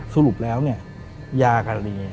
สรุปแล้วเนี่ยยากอะไรอย่างนี้